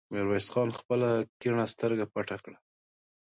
ميرويس خان خپله کيڼه سترګه پټه کړه.